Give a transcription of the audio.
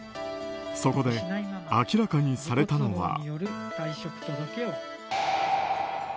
そこで明らかにされたのは。